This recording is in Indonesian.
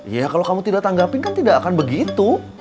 iya kalo kamu tidak tanggapin kan tidak akan begitu